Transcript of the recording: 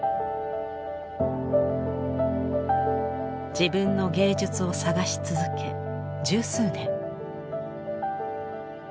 自分の芸術を探し続け十数年。